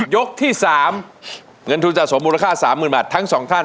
ยกที่๓เงินทุนสะสมมูลค่า๓๐๐๐บาททั้งสองท่าน